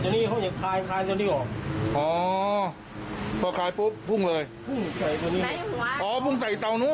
ถ้ามันไม่มีไฟตรงนี้มันก็ไม่เป็นไรหรอก